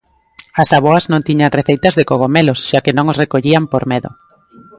As avoas non tiñan receitas de cogomelos, xa que non os recollían por medo.